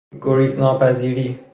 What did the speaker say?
گریزناپذیری